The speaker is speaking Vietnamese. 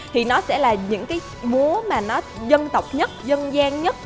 thì nó sẽ là những cái múa mà nó dân tộc nhất dân gian nhất